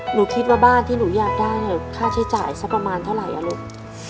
หนูคิดว่าบ้านที่หนูอยากได้ค่าใช้จ่ายสักประมาณเท่าไหร่ลูก